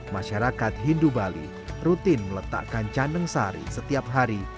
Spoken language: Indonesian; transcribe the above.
masyarakat hindu bali rutin meletakkan candeng sari setiap hari